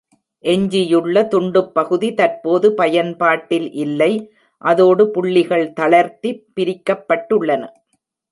எஞ்சியுள்ள துண்டுப் பகுதி தற்போது பயன்பாட்டில் இல்லை, அதோடு புள்ளிகள் தளர்த்தி பிரிக்கப்பட்டுள்ளன.